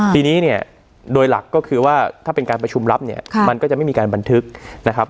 ทีนี้เนี่ยโดยหลักก็คือว่าถ้าเป็นการประชุมรับเนี่ยมันก็จะไม่มีการบันทึกนะครับ